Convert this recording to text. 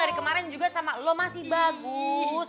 dari kemarin juga sama lo masih bagus